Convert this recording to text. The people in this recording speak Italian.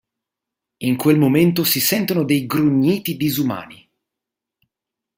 In quel momento si sentono dei grugniti disumani.